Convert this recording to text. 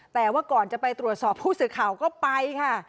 แต่ว่าก่อนจะไปตรวจสอบผู้สื่อข่าวก็ไปค่ะ